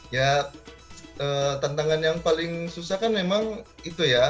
ya tantangan yang paling susah kan memang itu ya